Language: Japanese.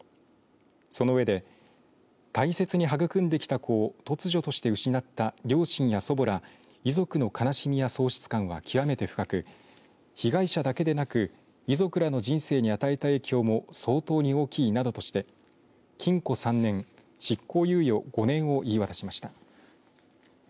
その上で大切に育んできた子を突如として失った両親や祖母ら遺族の悲しみや喪失感は極めて深く被害者だけでなく遺族らの人生に与えた影響も相当に大きいなどとして禁錮３年、執行猶予５年を言い渡しました。